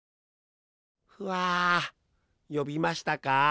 ふあよびましたか？